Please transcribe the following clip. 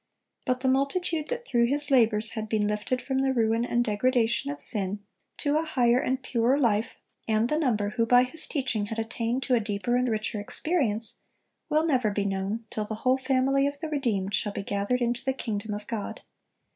But the multitude that through his labors had been lifted from the ruin and degradation of sin to a higher and a purer life, and the number who by his teaching had attained to a deeper and richer experience, will never be known till the whole family of the redeemed shall be gathered into the kingdom of God.